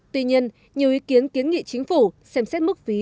tuy nhiên nhiều ý kiến kiến nghị chính phủ xem xét mức phí